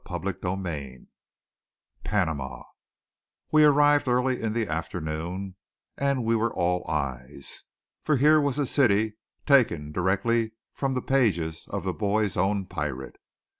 CHAPTER VIII PANAMA We arrived early in the afternoon, and we were all eyes; for here was a city taken directly from the pages of the Boy's Own Pirate.